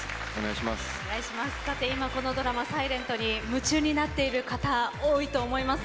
今、このドラマ「ｓｉｌｅｎｔ」に夢中になっている方多いと思います。